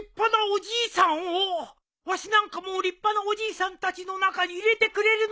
わしなんかも立派なおじいさんたちの中に入れてくれるのかね？